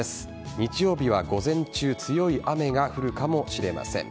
日曜日は午前中強い雨が降るかもしれません。